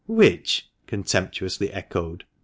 "Which!" (contemptuously echoed.)